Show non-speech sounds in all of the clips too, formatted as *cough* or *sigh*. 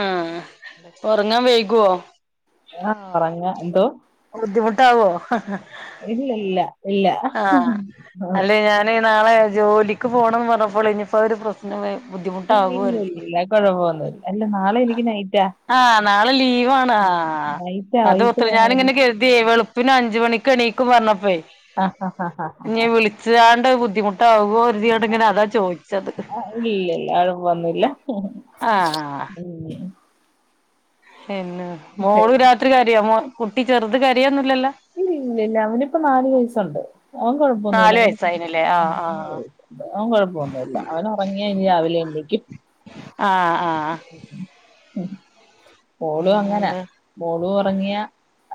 ആഹ് ഒറങ്ങാൻ വൈകോ? ആഹ് ഒറങ്ങ എന്തോ? ബുദ്ധിമുട്ടാവോ? ഇല്ലല്ല ഇല്ല ആഹ് അല്ലേ ഞാനേ നാളെ ജോലി ഇക്ക് പോണം പറഞ്ഞപ്പോള് ഇഞ്പ്പോ അ ഒരു പ്രശ്നം ബുദ്ധിമുട്ടാകോ ഇല്ല ഇല്ല കൊഴപ്പൊന്നുല്ല അല്ല നാളെ എനിക്ക് നൈറ്റാ ആഹ് നാള ലീവാണ് ആഹ് നൈറ്റാ അത് വൈകിട്ട് ഓർത്തി പോയാ മതി ഞാനിങ്ങനെ കരുതി വെളു പിന്നെ അഞ്ച് മണിക്ക് എണീക്കും പറഞ്ഞപ്പയ് ആഹ് ഹഹഹഹ ഹഹ ച്ച്ങ്ങാട് ബുദ്ധിമുട്ടാകൊ യോട് ഇങ്ങനെ അതാ ചോയിച്ചത് ആഹ് ഇല്ലല്ല കൊഴപ്പൊന്നുല്ല ആഹ് ഉം പിന്നെ മോളു രാത്രി കരയോ മോ കുട്ടി ചെറുത് കരയൊന്നുല്ലല്ലോ ഇല്ല ഇല്ല ഇല്ല അവനിപ്പ നാല് വയസ്സുണ്ട് അവൻ കൊഴപ്പൊന്നുല്ല നാല് അവന് വയസ്സായിനല്ലേ ആഹ് ആഹ് അവൻ കൊഴപ്പൊന്നുല്ല അവൻ ഒറങ്ങിയ ഇനി രാവിലെ എണീക്കും ആഹ് ആഹ് ഓളും അങ്ങന പിന്നെന്താ മോളും ഒറങ്ങിയ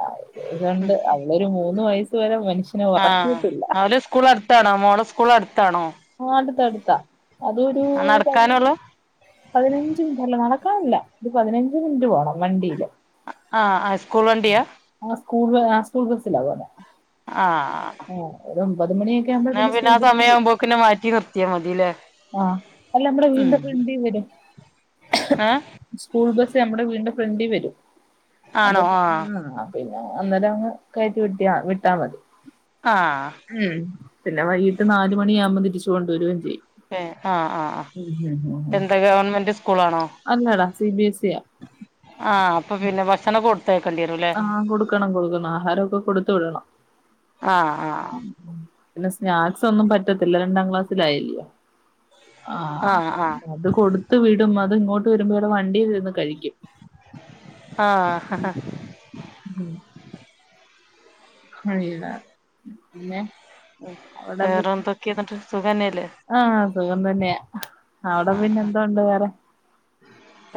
ആഹ് ഇതണ്ട് അവളൊരു മൂന്ന് വയസ്സ് വരെ മനുഷ്യ ആഹ് അവടെ സ്കൂള് അട്ത്താണോ മോളെ സ്കൂള് അട്ത്താണോ ആഹ് അട്ത്ത് അട്ത്താ അതൊരു പതി നടക്കാനുള്ളൂ പതിനഞ്ച് അല്ല നടക്കാനല്ല ഒരു പതിനഞ്ച് മിൻറ്റ് പോണം വണ്ടീല് ആഹ് ആഹ് സ്കൂൾ വണ്ടിയാ ആഹ് സ്കൂൾ ആഹ് സ്കൂൾ ബസ്സിലാ പോണേ ആഹ് ആഹ് ഒരു ഒമ്പത് മണിയൊക്കെ ആവുമ്പോ എന്നാ പിന്നെ സ്കൂൾ ആ ബസ് വ സമയാവുമ്പോക്കിന് പിന്നെ മാറ്റി നിർത്തിയ മതില്ലെ ആഹ് അല്ല മ്മടെ വീട്ന്റെ ഫ്രണ്ടി വരും ഏഹ് സ്കൂൾ ബസ് നമ്മുടെ വീട്ന്റെ ഫ്രണ്ടി വരും അ ആണോ ആഹ് *unintelligible* പിന്നെ അന്നേരം അങ്ങ് കയറ്റി വിട്ടിയ വിട്ടാ മതി ആഹ് ഉം പിന്നെ വൈകീട്ട് നാല് മണിയാബം തിരിച്ചു കൊണ്ടുവരുവേം ചെയ്യും ഏഹ് ആഹ് ആഹ് ഉം ഉം ഉം എന്താ ഗവൺമെന്റ് സ്കൂളാണോ അല്ലടാ സി ബി സിയ ആഹ് അപ്പൊ പിന്നെ ഭക്ഷണം കൊ ത്തയക്കണ്ടി വരും ല്ലേ ആഹ് കൊടുക്കണം കൊടുക്കണം ആഹാരവൊക്കെ കൊടുത്തു വിടണം ആഹ് പിന്നെ സ്നാക്സ് ഒന്നും പറ്റത്തില്ല രണ്ടാം ക്ലാസ്സിലായില്ലോ ആഹ് അത് കൊടുത്ത് വിടും അത് ഇങ്ങോട്ട് വരുമ്പോ വണ്ടീൽ ഇരുന്ന് കഴിക്കും ആഹ് ഹ ഹ *inaudible* *unintelligible* പിന്നെ വേറെ എന്തൊക്കെ ന്നിട്ട് സുഖന്നെല്ലേ ആഹ് സുഖം തന്നെയാ അവടെ പിന്നെ എന്തോ ഉണ്ട് വേറെ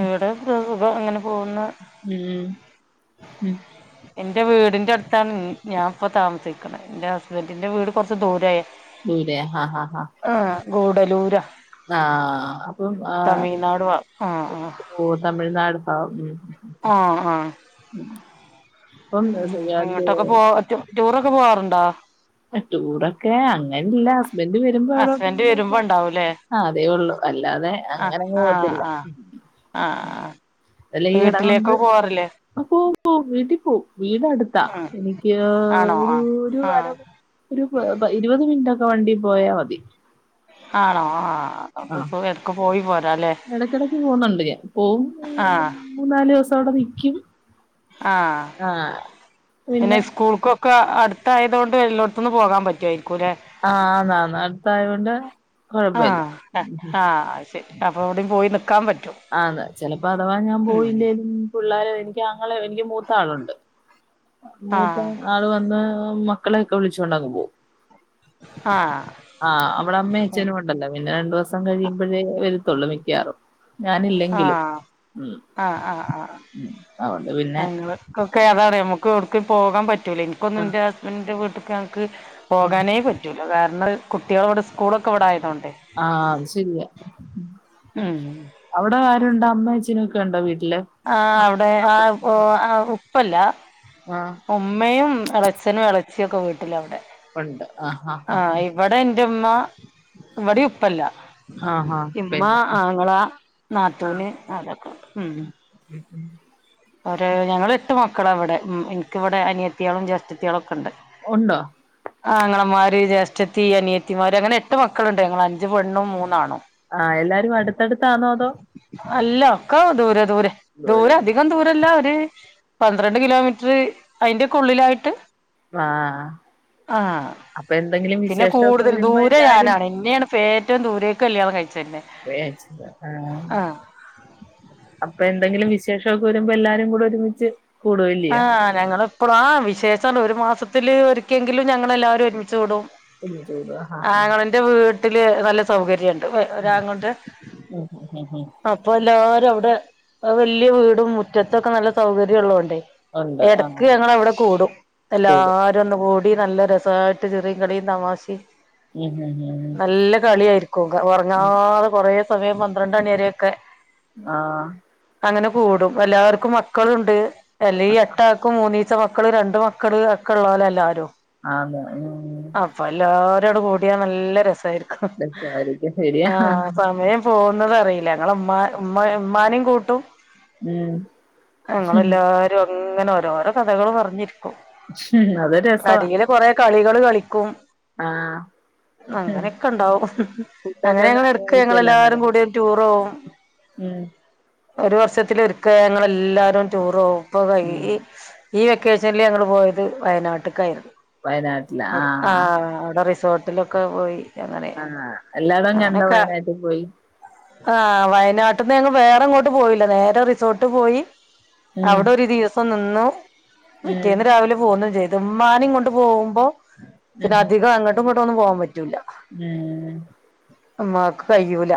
ഇവിടെ സുഖം ഇങ്ങനെ പോവ്ന്ന് മ് മ് എന്റെ വീടിന്റെ അട്ത്താണ് ഞാൻ ഇപ്പൊ താമസിക്ക്ണ് ഇന്റെ ഹസ്ബന്റിന്റെ വീട് കൊറച്ച് ദൂരായ ദൂരേ ഹാ ഹാ ഹ ആഹ് ഗൂഡലൂരാ ആഹ് അപ്പം ആ തമിഴ്നാട് ഭാ ആഹ് ആഹ് ഓ തമിഴ്നാട് പ്പാ ആഹ് ആഹ് അപ്പം ഇങ്ങോട്ടൊക്കെ പോവറ്റും റ്റൂറൊക്കെ പോവാർണ്ടോ ടൂറൊക്കെ അങ്ങനല്ല ഹസ്ബൻഡ് വരുമ്പോ ഹസ്ബൻഡ് വരുമ്പോ എവടോട്ടങ്കിലൊകേ ഉണ്ടാവൂലേ ആ അത ഉള്ളു ആ ആ അല്ലാ അ പോ വീട്ടി പോ വീട് അടുത്ത ഉം ആണോ ആഹ് ആഹ് ഒരു ഇരുപത് മിനിറ്റൊക്കെ വണ്ടി പോയാൽ മതി ആണോ ആഹ ആഹ ഇടക്കിടക്ക് പോുന്നുണ്ട് പോവും ആഹ് മൂന്ന നാല് ദിവസം അവിടെ നിക്കും ആഹ് ആ പിന്നെ സ്കൂൾക്കൊ - - അടുത്തായതത് കൊണ്ട് എല്ലായിടത്തും ന്നും പോവാൻപറ്റുവമായിരിക്കും അല്ലേ ആഹ് അടുത്തായത് കൊണ്ട് ആ ആ ശരി അപ്പൊ എവിടയും പോയി നിക്കാൻ പറ്റൂ ആതാ ചിലപ്പോ അഥവാ ഞാൻ പോയില്ലേൽ പിള്ളേർ എനിക്ക് അങ്ങെനെ എനിക്ക് മൂത്ത ആളുണ്ട് മൂത്താ ആഹ് നാള് വന്ന് മക്കളെയൊക്കെ വിളിച്ചുക കൊണ്ടങ് പോകും ആഹ ആഹ് അവിടെ അമ്മേ അച്ഛനും കൊണ്ടല്ലോ പിന്നെ രണ്ടു ദിവസം കഴിയുമ്പോഴേ വരുത്തുള്ളൂ മിക്കാവറും ഞാനല്ലെങ്കിലും ആഹ് ഉ ആഹ് ആഹ് ഉ അതൊണ്ട് പിന്നെ ക്കെ അതാണ് നമുക്ക് എവിടുക്ക് പോകാൻ പറ്റൂല എനിക്കൊന്നും ആഹ് എൻ്റെ ഹസ്ബൻഡിന്റെ വീട്ടിൽക്ക് ഞങ്ങക്ക് ഉം പോകാനേ പറ്റൂല കാരണം കുട്ടികൾ അവിടെ സ്കൂളൊക്കെ ഇവിടെ ആയത കൊണ്ടണ്ട് ആഹ അത് ശരിയാ ഉം അവിടെ ആരുണ്ട് അമ്മ അച്ചനും ഒക്കെ ഉണ്ടോ വീട്ടില് ആ അവിടെ ആ ഉപ്പല്ല ആഹ ഉമ്മയും ഇളച്ചനും ഇളച്ചിയൊക്കെ വീട്ടില അവിടെ ആഹ് ഇവിടെ എന്റെമ്മ ഇവിടെ ഉപ്പല്ല ആഹ് ആഹ് ഇമ്മ പിന്നെ ആങ്ങള നാത്തൂന് അതൊക്കെ ഉം ഉം ഞങ്ങള് എട്ട് മക്കള ഇവിടെ എനിക്കിവിടെ അനിയത്തിയാളും ജാസ്റ്റത്തിയാളും ഒക്കെ ഉണ്ട് ഉണ്ടോ ആ അങ്ങങ്ങളന്മാര് ജ്യേഷ്ഠത്തി അനിയത്തിമാര് അങ്ങനെ എട്ട് മക്കളുണ്ട് ഞങ്ങൾ അഞ്ചു പെണ്ണും മൂന്നാണും ആഎല്ലാരും അടുത്തടുത്താണോ അതോ അല്ല ഒക്ക ദൂരെ ദൂരെ ദൂരെ അധികം ദൂരെ ല്ല പന്ത്രണ്ട് കിലോമീറ്റർ അതിന്റെ കൊള്ളിലായിട്ട് ആ... ആ പിന്നെ വിശേഷമൊക്കെ കൂടുതൽ വരുമ്പോ ദൂരെ എല്ലാരും ഞാനാണ് ഇന്നെയാണ് ഏറ്റവും ദൂരേക്ക കല്യാണം കഴിച്ചന്നേ ആ അപ്പൊ എന്തെങ്കിലും വിശേഷമൊക്കെ വരുമ്പോ എല്ലാരും കൂടെ ഒരുമിച്ച് ആ കൂടുവല്ലിയോ ഞങ്ങള് ഇപ്പഴും ആ വിശേഷണ്ട് ഒരു മാസത്തില് ഒരിക്കെങ്കിലും ഞങ്ങ എല്ലാവരും ഒരുമിച്ച് കുടും ഇജോ ആഹ ആഹ എന്റെ വീട്ടില് നല്ല സൗകര്യം ഉണ്ട് ഉ ഉ ഉ ഹ അപ്പൊ എല്ലാവരും അവിടെ വല്യ വീടും മുറ്റത്തൊക്കെ നല്ല സൗകര്യം ഉള്ളതോണ്ട. ഉണ്ട് ആഹ് ഇടക്ക് ഞങ്ങൾ അവിടെ കൂടും കൂടും എല്ലാരും ഒന്ന് കൂടി നല്ല രസമായിട്ട് ചിരിയും കളിയും തമാശ ഉം ഉം ഉം നല്ല കളിയായിരിക്കും ഉറങ്ങാതെ കൊറെ സമയം പന്ത്രണ്ട് മണി വരൊക്കെ ആ.. അങ്ങനെ കൂടും എല്ലാവർക്കും മക്കളുണ്ട് അല്ലെ എട്ട മൂന്നീച്ച മക്കള് രണ്ട് മക്കള് ഒക്കള്ളോരാ എല്ലാരും ആത *inaudible* വല്ലാതങ്ങു കൂടിയാ നല്ല രസായിരിക്കും രസായിരിക്കും ശരിയാ ആഹ സമയം പോകുന്നത് അറിയില്ല ഞങ്ങളെ മ്മാനെ കൂട്ടും ഉം ഉം ഞങ്ങളെല്ലാരും അങ്ങനെ ഓരോരോ കഥകൾ പറഞ്ഞിരിക്കും അതൊരു രസവാ അടിൽ കൊറെ കളികള് കളിക്കും ആഹ് അങ്ങനെയൊക്കെ ഉണ്ടാവും അങ്ങനെ ഫുഡൊക്കെ ഞങ്ങൾ എടുക്ക കാണുവായിരിക്കുവല്ലോ ഞങ്ങളെല്ലാരും കൂടി റ്റൂറോവും ഏ ഒരു വർഷത്തിൽ ഒരിക്ക ഞങ്ങളെല്ലാരും ടൂറ്പോകും ഇപ്പൊ ഉം ഈ ഈ വെക്കേഷനിൽ ഞങ്ങൾ പോയത് വയനാട്ടക്കായിരുന്നു വയനാട്ടില് ആ ആഹ് അവിടെ റിസോർട്ട് ട്ടിലൊക്കെ പോയി അങ്ങനെ ആ എല്ലാടോം കണ്ട വയനായിട്ടിൽ പോയി ആഹ വയനാട്ടന്ന് ഞങ്ങൾ വേറെ എങ്ങോട്ട് പോയില്ല നേരെ റിസോർട്ട് പോയി ഉം അവിടെ ഒരു ദിവസം നിന്നു ഉം പിറ്റേന്ന് രാവിലെ പോന്നു ചെയ്തു ഉമ്മാനെയും കൊണ്ടുപോകുമ്പോൾ ഉം അധികം അങ്ങോട്ടും ഇങ്ങോട്ടും ഒന്നും പോകാൻ പറ്റൂല ഉം ഉമ്മക്ക് കഴിയൂല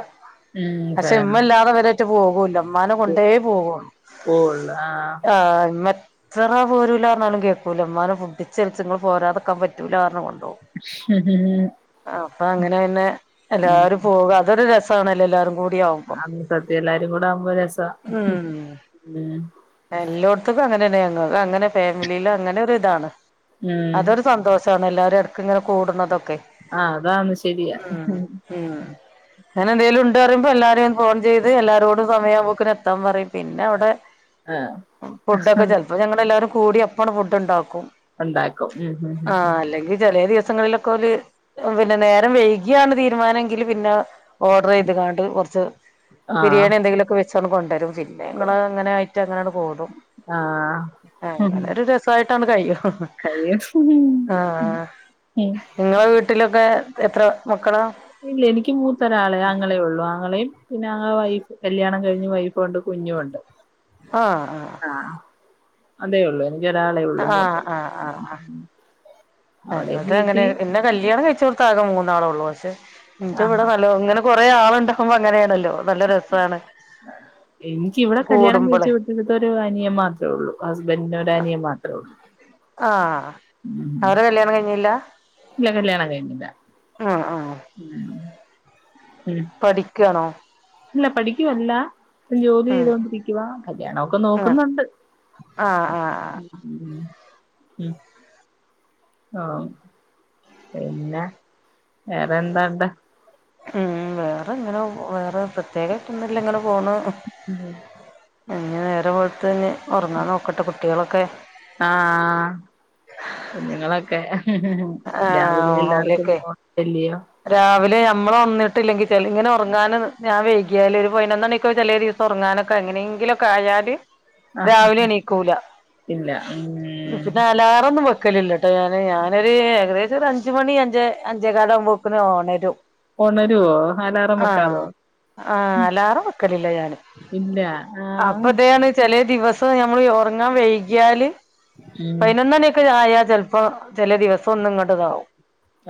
പക്ഷെ ഉം ഉമ്മ ഇല്ലാതെ വരെ പോകൂല ഉമ്മാനെ കൊണ്ടേ പോകുള്ളൂ പോകുള്ളൂ ആ ആഹ് ഇമ്മ. എത്ര പോരൂല പറഞ്ഞാലും കേൾക്കൂല ഉമ്മാനെ പിടിച്ച് വലിച്ച് ങ്ങള് പോരാതൊക്കെ പറ്റൂലാ പറഞ്ഞുകൊണ്ടോ പറഞ്ഞു കൊണ്ടോവും അപ്പൊ അങ്ങനെ പിന്നെ ഉം എല്ലാവരും പോകും അതൊരു രസ രസആണല്ലോ എല്ലാരും കൂടി ആവുമ്പോ അതും സത്യം എല്ലാവരും കൂടി ആവുമ്പോ രസ എല്ലായിടത്തക്കും അങ്ങനെ ഞങ്ങ അങ്ങനെ ഫാമിലിൽ അങ്ങനെ ഒരുതാണ് ഉം അതൊരു സന്തോഷണ് എല്ലാരും ഇടക് ഇങ്ങനെ കൂടുന്നതൊക്കെ ആ അതന്ന് ശെരിയാ ഉം അങ്ങനെ എന്തേങ്കിലും ഉണ്ട് പറയുമ്പോ എല്ലാരെയും ഫോൺ ചെയ്ത് എല്ലാരോടും സമയാവു പോക്കിന് എത്താൻ പറയും പിന്നെ അവിടെ മ്മ്ഹ് ഫുഡൊക്കെ ചെലപ്പോ ഞങ്ങെല്ലാരും കൂടി അപ്പാണ്ട്ഫുഡ് ഉണ്ടാക്കും ഉണ്ടാക്കും ഉം ഉം ആ ഉം അല്ലെങ്കിൽ ചെലെ ദിവസങ്ങളിലൊക്ക് കൊറേ നേരം വൈകിയാണ് തീരുമാനമെങ്കിൽ പിന്നെ ഓർഡർ ചെയ്ത് കാണ്ട് കുറച്ച് ആഹ് ബിരിയാണി എന്തെങ്കിലുമൊക്കെ വെച്ചാണ്ട് കൊണ്ടരും പിന്നെ ഇങ്ങള് അങ്ങനെ ആയിട്ട് അങ്ങനെയാണ് പോതും ആഹ് അങ്ങനെ ഒരു രസായിട്ടങ്ങ് കഴിയും കഴിയും ആ ഉം നിങ്ങളെ വീട്ടിലൊക്കെ എത്ര മക്കളാ ഇല്ല എനിക്ക് മൂത്തൊരാളെ അങ്ങളേ ഉള്ളു ആങ്ങളെയും പിന്നെ ആങ്ങളവൈഫ് കല്യാണം കഴിഞ്ഞ് വൈഫുണ്ട് കുഞ്ഞുണ്ട് ആഹ് ആഹ് ആ അതേ ഉള്ളൂ ഇ ഒരാളെ ഉള്ളു ആഹ് ആഹ് ആഹ് അവിടെ ഞങ്ങള്ത് അങ്ങനെ വീട്ടി പിന്നെ കല്യാണം കഴിച്ചോട്ടത്ത്- ത്ത്ആകെ മൂന്നാളേള്ളൂ പക്ഷേ ഇന്റെ ഇവിടെ ആഹാ നല്ലോ ഇങ്ങനെ കൊറേ ആളുണ്ടാകുമ്പോ അങ്ങനെയാണല്ലോ നല്ല രസമാണ് എനിക്കിവിടെ കല്യാണം കഴിച്ചു വിട്ടിടുത്ത ഒരു അനിയൻ മാത്രമേ ഉള്ളൂ ഹസ്ബൻറിന്റെ ഒരു അനിയൻ മാത്രമേ ഉള്ളു ആഹ് അവര്ടെ കല്യാണം കഴിഞ്ഞില്ല ഇല്ല കല്യാണം കഴിഞ്ഞില്ല. ഉം ഉം ഉം. ഉം പഠിക്കാണോ? ഇല്ല പഠിക്കുവല്ല ജോലി ഉം ചെയ്തൊണ്ടിരിക്കുവാ. കല്യാണൊക്കെ ഉം നോക്കുന്നുണ്ട്. ആഹ് ആഹ് ആഹ് ഉം ഉം ആഹ് പിന്നെ വേറെ എന്താണ്ടാ? ഉം വേറെങ്ങനെ വേറെ പ്രത്യേകായിട്ട് ഒന്നുല്ല. ഇങ്ങനെ പോണു. ഇനി നേരം വെളുത്തിനി ഒറങ്ങാൻ നോക്കട്ടെ. കുട്ടികളൊക്കെ ആഹ് കുഞ്ഞുങ്ങളൊക്കെ രാവിലെ ആഹ് എല്ലാർക്കും ഓലെക്കെ പോട്ടല്ലയോ രാവിലെ നമ്മള് ഒണ്ന്നിട്ടില്ലെങ്കില് ചെല്ങ്ങനെ ഒറങ്ങാന് ഞാൻ വൈക്യാല് ഒരു പയിനൊന്നണിക്കേവും ചെലെ ദിവ ത് ഒറങ്ങാനൊക്കെ എങ്ങനെയെങ്കിലൊക്കെ ആയാല് ആ രാവിലെണീക്കൂല ഇല്ല ഉം പിന്നെ ലാറൊന്നും വെക്കലില്ലാ ട്ടോ ഞാന്. ഞാനൊരു ഏകദേശം ഒരു അഞ്ച് മണി അഞ്ച് അഞ്ചേകാലാവുമ്പോ പ്പ്ന് ഒണരും ഒണരുവോ? അലാറം വെക്കാതോ? ആ അലാറം വെക്കലില്ല ഞാന്. ഇല്ല ആ അപ്പ ദേ ആണ് ചെലേ ദിവസം ഞമ്മള് ഈ ഒറങ്ങാൻ വൈകിയാല് ഉം പതിനൊന്നണി ക്കെ ആയ ചെലപ്പോ ചെലേ ദിവസം ഒന്നുങ്ങട് ഇതാവും.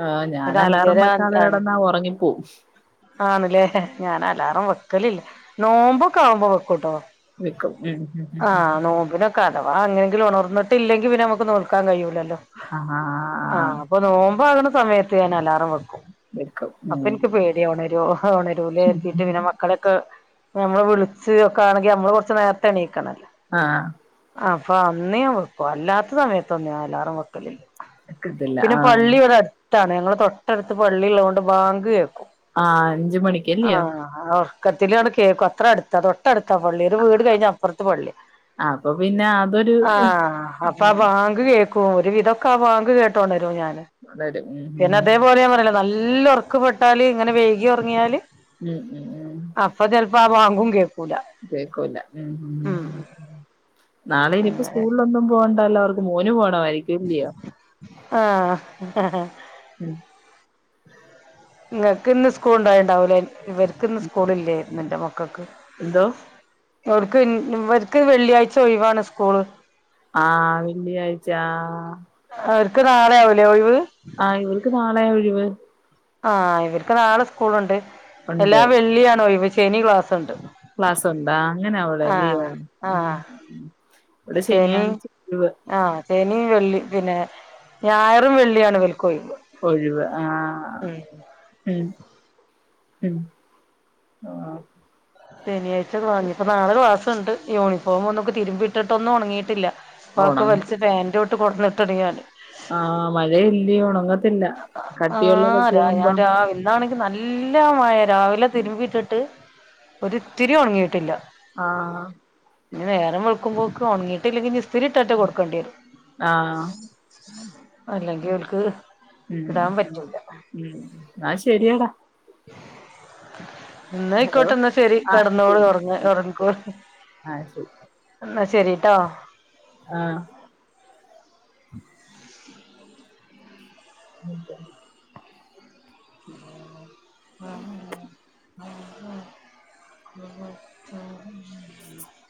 ആഹ് ഞാനലാ *unintelligible* ആണ്ല്ലേ? ഞാനലാറം വെക്കലില്ല നോമ്പൊക്കാവുമ്പോ വെക്കൂട്ടോ വെക്കും ഉം ഉം ഉം ആ ഉം നോമ്പിനോ ക്ക അഥവാ അങ്ങനെങ്കിലും ഒണർന്നിട്ട്ല്ലെങ്കി പിന്ന നമ്മക്ക് നോല്ക്കാൻ കഴിയൂല്ലല്ലോ ആഹ് ആഹ് ആഹ് ആഹ് ആഹ് അപ്പ നോമ്പോവണ സമയത്ത് ഞാൻ അലാറം വെക്കും. വെക്കും അപ്പ ഉം എനിക്ക് പേട്യാ. ഓണര്വോ? ഓണരൂലേ എത്തിട്ട് പിന്നെ മക്കളെ ക്ക് ഞമ്മള് വിളിച്ച് ഒക്കെ ആണെങ്കി നമ്മള് കൊറച്ച് നേർത്തെ എണീക്കണല്ലോ ആഹ് ആഹ് അപ്പ അന്ന് ഞാൻ വെക്കും. അല്ലാത്ത സമയത്തൊന്ന് അലാറം വെക്കലില്ല. വെക്കത്തില്ല പിന്നെ ആ പള്ളി ഇവടെ അടുത്താണ്. ഞങ്ങടെ തൊട്ടടുത്ത് പള്ളിള്ളത് കൊണ്ട് ബാങ്ക് കേക്കും ആഹ് അഞ്ച് മണിക്കല്ല്യോ ആഹ് ഒറക്കത്തിലുങ്ങട് കേക്കും അത്ര അടുത്താ തൊട്ടടുത്താ പള്ളി. ഒരു വീട് കഴിഞ്ഞാ അപ്പറത്ത് പള്ള്യാ ആ അപ്പൊ പിന്നെ അതൊരു ആഹ് അപ്പ ആ ഉം ബാങ്ക് കേക്കും. ഒരു വിധൊക്കെ ആ ബാങ്ക് കേട്ടോണരും ഞാന്. അതെ അതെ ഉം ഉം ഇപ്പ ഞാൻ പറഞ്ഞില്ലേ? നല്ല ഒറക്ക് പെട്ടാല് ഇങ്ങനെ വൈകി ഒറങ്ങ്യല് ഉം ഉം ഉം അപ്പ ചെൽപ്പോ ആ ബാങ്കും കേക്കും കേക്കൂല്ല ഉം നാളെ ഇനിപ്പോ സ്കൂളിലൊന്നും പോവണ്ടല്ലോ അവ മോന് പോണമായിരിക്കും അല്ല്യോ ആഹ് ഇങ്ങക്ക് ഇന്ന് സ്കൂൾണ്ടായിണ്ടാവൂലേ? ഇവർക്ക് ഇന്ന് സ്കൂളില്ലായിരുന്നു ഇൻ്റെ മക്കക്ക് എന്തോ? ഓർക്ക് ഇവർക്ക് വെള്ളിയാഴ്ച ഒയിവാണ് സ്കൂള് ആഹ് വെള്ളിയാഴ്ചാ ആഹ് അവർക്ക് നാളെയാവൂല്ലേ ഒഴിവ്? ആഹ് ഇവൾക്ക് നാളെ ഒഴിവ് ആഹ് ഇവര്ക്ക് നാളെ സ്കൂളുണ്ട്. ഉണ്ട് എല്ലാ വെള്ളിയാണ് ഒഴിവ്. ശനി ക്ലാസുണ്ട്. ക്ലാസുണ്ടാ അങ്ങനെ അവിടെ അല്ലിയോ ആഹ് ശനി ആഹ് ശനിയും വെള്ളി പിന്നെ ഞായറും വെള്ളിയാണ് ഇവൽക്കൊയ്വ് ഒഴിവ് ആഹ് ഉം ഉം ആഹ് ശനിയാഴ്ച്ച ക്ലാ ഇനിപ്പോ നാളെ ക്ലാസുണ്ട് യൂണിഫോം ഒന്നും തിരുമ്പിട്ടിട്ടൊന്നും ഉണങ്ങിയിട്ടില്ല ഉണ അതൊക്കെ വലിച്ച് ഫാനിന്റെ ചോട്ട് കൊടന്ന് ഇട്ടണ് ഞാന് ആഹ് മഴ എല്ലിയൊ ഉണ ആ രാ ഞാൻ രാവിൽ ഇന്നാണെങ്കി നല്ല മഴേ രാവിലെ തിരുമ്പിട്ടിട്ട് ഒരിത്തിരി ഒണങ്ങിട്ടില്ല ആഹ് ഇനി നേരം വെളുക്കുമ്പോക്ക് ഒണങ്ങിയിട്ടില്ലെങ്കി ഇനി ഇസ്തിരി ഇട്ടിട്ട് കൊടുക്കേണ്ടി വരും ആഹ് അല്ലെങ്കി ഓല്ക്ക് ഉം ഉം എന്നാ ശരിയടാ എന്നാ ഹലോ അയ്ക്കോട്ടെ എന്നാ ശരി ആഹ് കെടന്നോളു ശരി ഉറങ്ങിക്കോ ആഹ് ശരി എന്നാ ശരിട്ടോ ആഹ് ആഹ് *unintelligible*